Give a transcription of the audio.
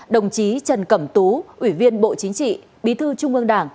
đồng chí trần cẩm tú ủy viên bộ chính trị bí thư trung ương đảng